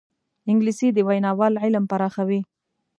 انګلیسي د ویناوال علم پراخوي